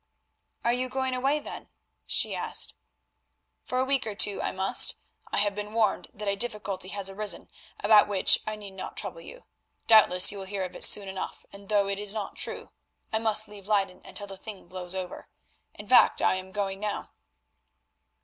"Are you going away then?" she asked. "For a week or two I must. I have been warned that a difficulty has arisen, about which I need not trouble you. Doubtless you will hear of it soon enough, and though it is not true, I must leave Leyden until the thing blows over. In fact I am going now."